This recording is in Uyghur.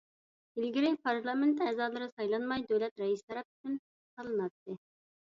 ئىلگىرى پارلامېنت ئەزالىرى سايلانماي، دۆلەت رەئىسى تەرەپتىن تاللىناتتى.